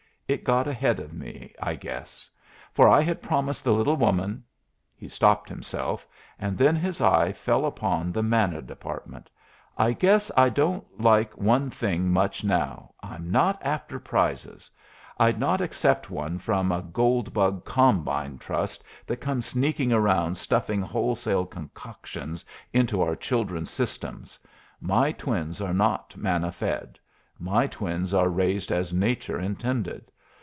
It got ahead of me, I guess; for I had promised the little woman " He stopped himself; and then his eye fell upon the Manna Department. "I guess I don't like one thing much now. I'm not after prizes. I'd not accept one from a gold bug combine trust that comes sneaking around stuffing wholesale concoctions into our children's systems. My twins are not manna fed. My twins are raised as nature intended.